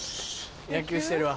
野球してるわ。